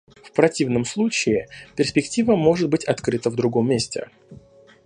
В противном случае перспектива может быть открыта в другом месте.